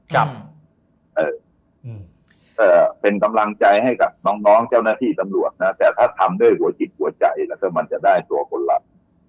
กับเป็นกำลังใจให้กับน้องเจ้าหน้าที่ตำรวจนะแต่ถ้าทำด้วยหัวจิตหัวใจแล้วก็มันจะได้ตัวคนหลับ